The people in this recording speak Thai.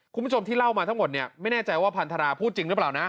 คุณผู้ชมที่เล่ามาทั้งหมดเนี่ยไม่แน่ใจว่าพันธราพูดจริงหรือเปล่านะ